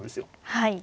はい。